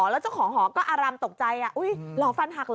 แล้วเจ้าของหอก็อารำตกใจอุ๊ยหรอฟันหักเหรอ